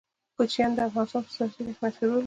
کوچیان د افغانستان په ستراتیژیک اهمیت کې رول لري.